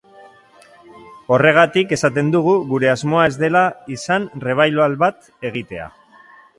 Horregatik esaten dugu gure asmoa ez dela izan revival bat egitea.